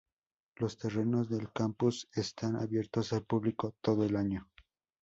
Los terrenos del campus están abiertos al público todo el año.